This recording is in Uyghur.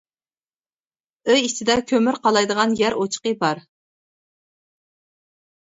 ئۆي ئىچىدە كۆمۈر قالايدىغان يەر ئوچىقى بار.